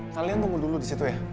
kalian tunggu dulu di situ ya